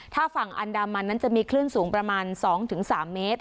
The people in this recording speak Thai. ถ้าฝั่งอันดามันนั้นจะมีคลื่นสูงประมาณ๒๓เมตร